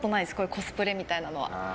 コスプレみたいなのは。